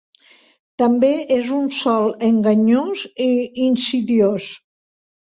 També és un sol enganyós i insidiós.